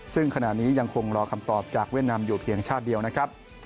ซึ่งขณะนี้ยังคงรอคำตอบจากเวียดนามอยู่เพียงชาติเดียวนะครับ